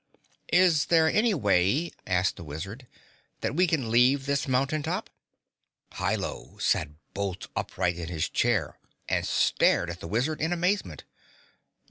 "Is there any way," asked the Wizard, "that we can leave this mountain top?" Hi Lo sat bolt upright in his chair and stared at the Wizard in amazement.